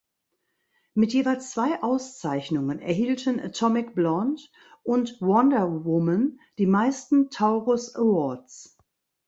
Mit jeweils zwei Auszeichnungen erhielten "Atomic Blonde" und "Wonder Woman" die meisten Taurus Awards.